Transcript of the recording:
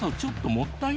もったい